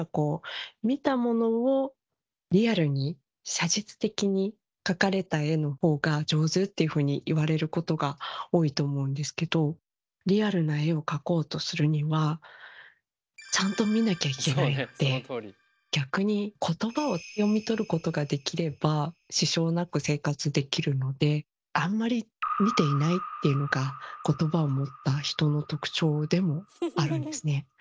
写実的にっていうふうに言われることが多いと思うんですけどリアルな絵を描こうとするにはちゃんと見なきゃいけないので逆にことばを読み取ることができれば支障なく生活できるのであんまり見ていないっていうのがことばを持った人の特徴でもあるんですね。